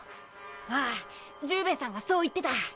ああ獣兵衛さんがそう言ってた。